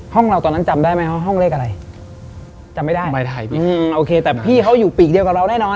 ห้องเราตอนนั้นจำได้ไหมว่าห้องเลขอะไรจำไม่ได้ไม่ได้พี่อืมโอเคแต่พี่เขาอยู่ปีกเดียวกับเราแน่นอน